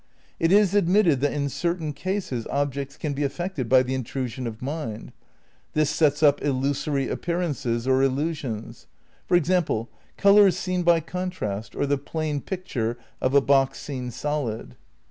It is admitted that in certain cases objects can be affected by the "intrusion of the mind." ^ This sets up illusory appearances or illusions. For example, "colours seen by contrast, or the plane pic ture of a box seen solid."